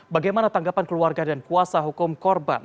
bagaimana tanggapan keluarga dan kuasa hukum korban